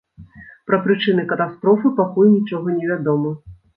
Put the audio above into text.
Пра прычыны катастрофы пакуль нічога невядома.